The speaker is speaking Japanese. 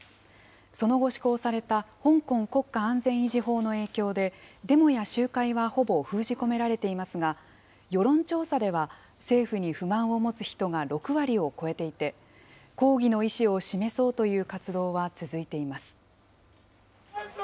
その後、施行された香港国家安全維持法の影響で、デモや集会はほぼ封じ込められていますが、世論調査では政府に不満を持つ人が６割を超えていて、抗議の意志を示そうという活動は続いています。